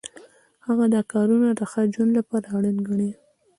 هغه دا کارونه د ښه ژوند لپاره اړین ګڼي.